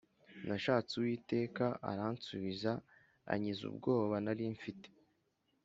Nashatse uwiteka aransubiza, ankiza ubwoba nari mfite